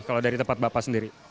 kalau dari tempat bapak sendiri